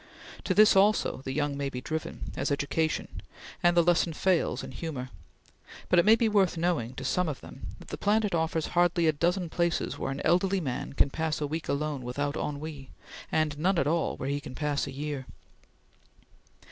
To this, also, the young may be driven, as education, and the lesson fails in humor; but it may be worth knowing to some of them that the planet offers hardly a dozen places where an elderly man can pass a week alone without ennui, and none at all where he can pass a year.